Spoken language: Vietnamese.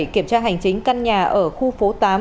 kiểm tra hành chính căn nhà ở khu phố tám